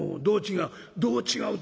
「どう違う？」。